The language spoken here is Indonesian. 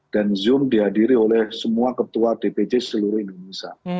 dan zoom dihadiri oleh semua ketua dpj seluruh indonesia